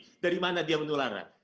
bagaimana dia menularnya